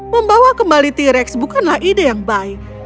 membawa kembali t rex bukanlah ide yang baik